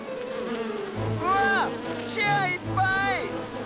うわっチェアいっぱい！